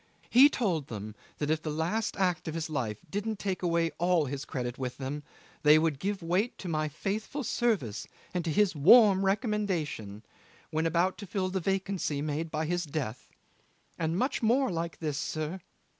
He told them that if the last act of his life didn't take away all his credit with them, they would give weight to my faithful service and to his warm recommendation, when about to fill the vacancy made by his death. And much more like this, sir.